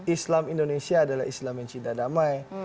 islam indonesia adalah islam yang cinta damai